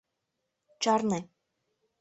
— Чарне.